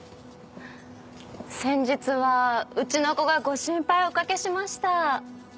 先日はうちの子がご心配をおかけしました。